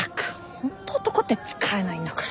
ホント男って使えないんだから。